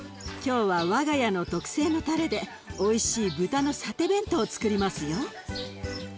今日は我が家の特製のたれでおいしい豚のサテ弁当をつくりますよ。